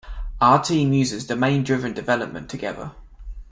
Our team uses domain driven development together.